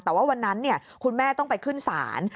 แต่ว่าวันนั้นคุณแม่ต้องไปขึ้นศาล